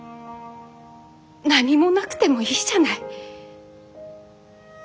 何もなくてもいいじゃない。